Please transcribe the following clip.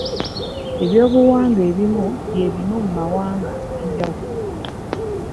Eby'obuwangwa ebimu bye bimu mu mawanga ag'enjawulo.